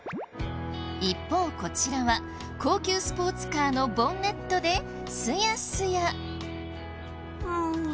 一方こちらは高級スポーツカーのボンネットでスヤスヤ。